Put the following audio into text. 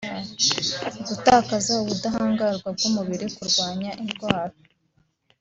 gutakaza ubudahangarwa bw’umubiri mu kurwanya indwara